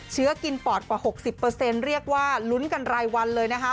เชื้อกินปอดกว่า๖๐เรียกว่าลุ้นกันรายวันเลยนะคะ